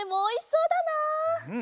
うん！